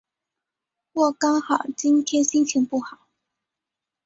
或刚好今天心情不好？